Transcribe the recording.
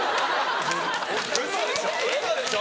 ウソでしょ？